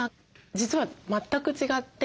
実は全く違って。